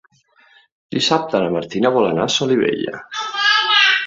Dissabte na Martina vol anar a Solivella.